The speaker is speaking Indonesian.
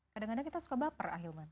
kadang kadang kita suka baper ah hilman